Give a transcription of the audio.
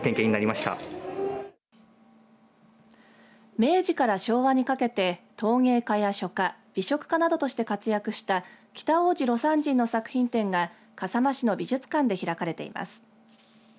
明治から昭和にかけて陶芸家や書家美食家などとして活躍した北大路魯山人の作品展が笠間市の美術館で開かれています。